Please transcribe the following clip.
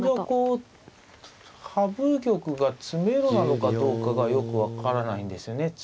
こう羽生玉が詰めろなのかどうかがよく分からないんですよね。